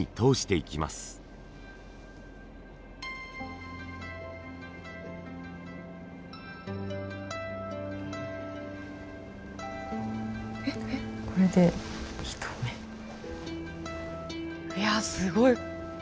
いやすごい。